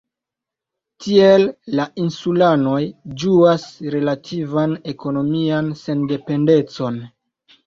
Tiel la insulanoj ĝuas relativan ekonomian sendependecon.